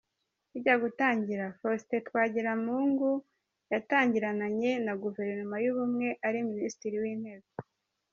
Bijya gutangira : Faustin Twagiramungu yatangirananye na Guverinoma y’Ubumwe, ari Minisitiri w’Intebe.